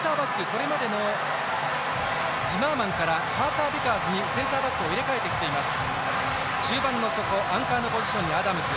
これまでのジマーマンからカータービカーズにセンターバックを入れ替えてきています。